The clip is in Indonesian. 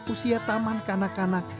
usia taman kanak kanak